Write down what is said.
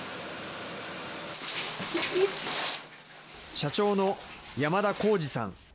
社長の山田耕司さん。